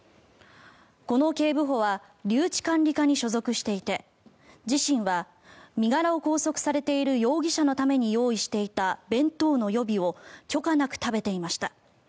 この警部補は留置管理課に所属していて自身は身柄を拘束されている容疑者のために用意していた弁当の予備を許可なく食べていました。